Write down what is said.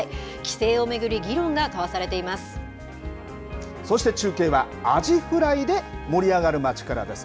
規制を巡りそして中継はアジフライで盛り上がる街からです。